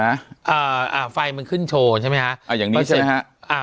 อ่าอ่าไฟมันขึ้นโชว์ใช่ไหมฮะอ่าอย่างนี้ใช่ไหมฮะอ่า